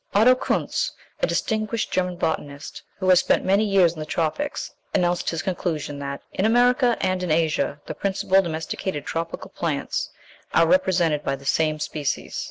Otto Kuntze, a distinguished German botanist, who has spent many years in the tropics, announces his conclusion that "In America and in Asia the principal domesticated tropical plants are represented by the same species."